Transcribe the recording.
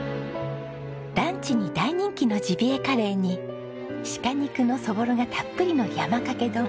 ランチに大人気のジビエカレーに鹿肉のそぼろがたっぷりの山かけ丼。